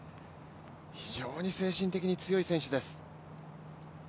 非常に精神的に強い選手です。